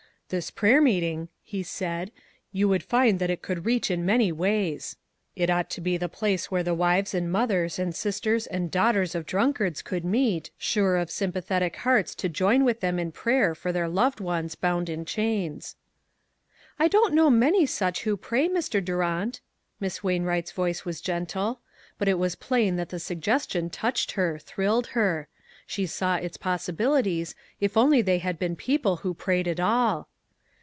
"This prayer meeting," he said, "yon would find that it could reach in many ways. It ought to be the place where the wives and mothers and sisters and daugh ters of drunkards could meet, sure of sym pathetic hearts to join with them in prayer for their loved ones bound in chains." "I don't know many such who pray, Mr. Durant." Miss Wainwright's voice was gen tle. It was plain that the suggestion touched her, thrilled her. She saw its possibilities, if only they had been people who prayed at all!